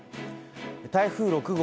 台風６号